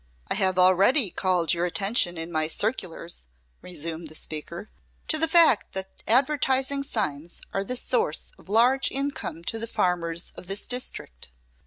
"I have already called your attention in my circulars," resumed the speaker, "to the fact that advertising signs are the source of large income to the farmers of this district.